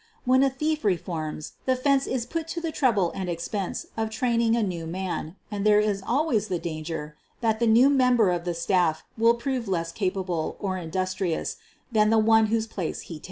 When a thief reforms, the "fence" is put to the trouble and expense of training a new man — and there is always the danger that the new mem ber of the staff will prove less capable or industrious than the one whose place he takes.